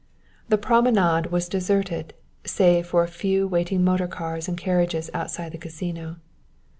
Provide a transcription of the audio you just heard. The promenade was deserted, save for a few waiting motor cars and carriages outside the Casino.